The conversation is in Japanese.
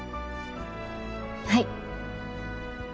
はい。